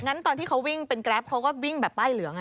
ตอนที่เขาวิ่งเป็นแกรปเขาก็วิ่งแบบป้ายเหลือง